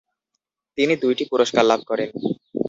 তিনি দুইটি পুরস্কার লাভ করেন।